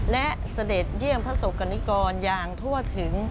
และเสด็จเยี่ยมพระศกกรณิกรอย่างทั่วถึง